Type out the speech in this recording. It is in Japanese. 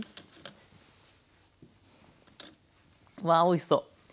わあおいしそう。